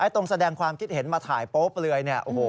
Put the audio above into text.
ตรงแสดงความคิดเห็นมาถ่ายโป๊เปลือย